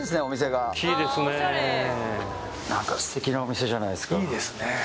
お店がおっきいですね